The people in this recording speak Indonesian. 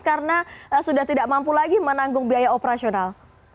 karena sudah tidak mampu lagi menanggung biaya operasional